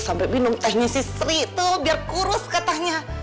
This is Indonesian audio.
sampai minum tehnya si sri tuh biar kurus katanya